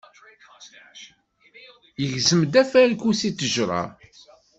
Yegzem-d afarku si ttejra.